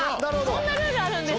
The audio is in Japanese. そんなルールあるんですか。